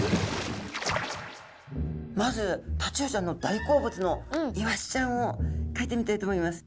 まずタチウオちゃんの大好物のイワシちゃんをかいてみたいと思います。